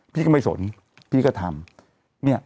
พี่ก็ไม่สนพี่ก็ทำ